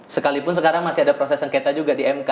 sekalipun sekarang masih ada proses sengketa juga di mk